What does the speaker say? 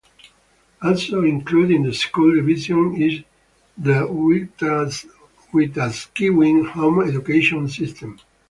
Also included in the school division is the Wetaskiwin Home Education system.